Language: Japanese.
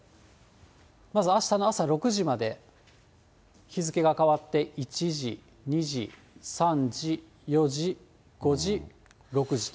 まずあしたの朝６時まで、日付が変わって１時、２時、３時、４時、５時、６時と。